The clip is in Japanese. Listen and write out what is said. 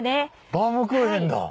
バームクーヘンだ！